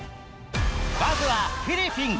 まずはフィリピン。